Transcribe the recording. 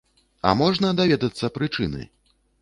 А можна даведацца прычыны?